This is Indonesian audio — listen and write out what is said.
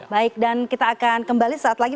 baik dan kita akan kembali saat lagi